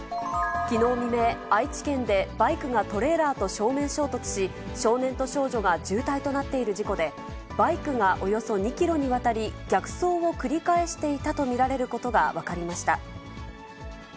きのう未明、愛知県でバイクがトレーラーと正面衝突し、少年と少女が重体となっている事故で、バイクがおよそ２キロにわたり、逆走を繰り返していたと見られることが分かりました。